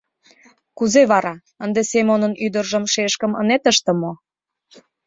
— Кузе вара, ынде Семонын ӱдыржым шешкым ынет ыште мо?